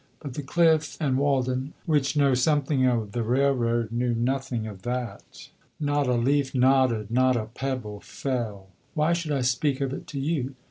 But the Cliff and Walden, which know something of the railroad, knew nothing of that; not a leaf nodded; not a pebble fell; why should I speak of it to you?"